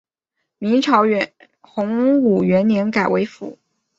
明朝洪武元年改为府。